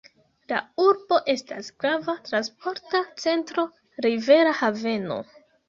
La urbo estas grava transporta centro, rivera haveno.